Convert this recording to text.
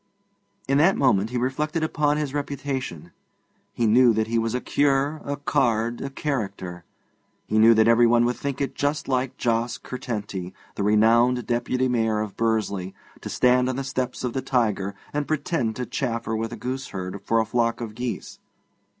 In that moment he reflected upon his reputation; he knew that he was a cure, a card, a character; he knew that everyone would think it just like Jos Curtenty, the renowned Deputy Mayor of Bursley, to stand on the steps of the Tiger and pretend to chaffer with a gooseherd for a flock of geese.